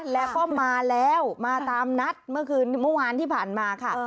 แล้วก็มาแล้วมาตามนัดเมื่อคืนเมื่อวานที่ผ่านมาค่ะ